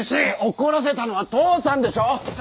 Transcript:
怒らせたのは父さんでしょ！